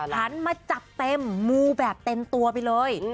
หันมาจัดเต็มมูแบบเต็มตัวไปเลย